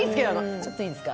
ちょっといいですか？